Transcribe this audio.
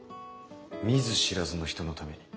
見ず知らずの人のために？